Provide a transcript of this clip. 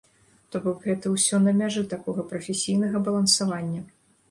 То бок, гэта ўсё на мяжы такога прафесійнага балансавання.